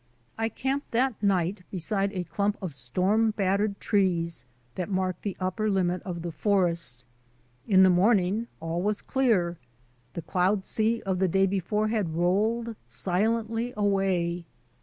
I camped that night beside a clump of storm battered trees that marked the upper limit of the forest. In the morning all was clear. The cloud sea of the day before had rolled silently away.